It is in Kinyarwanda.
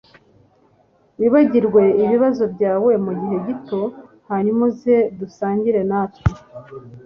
Wibagirwe ibibazo byawe mugihe gito hanyuma uze dusangire natwe